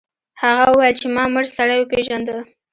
هغه وویل چې ما مړ سړی وپیژنده.